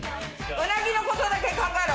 うなぎのことだけ考えろ！